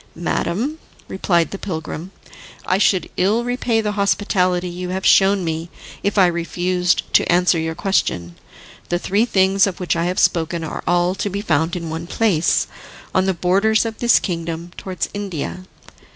"Madam," replied the pilgrim, "I should ill repay the hospitality you have shown me if I refused to answer your question. The three things of which I have spoken are all to be found in one place, on the borders of this kingdom, towards India.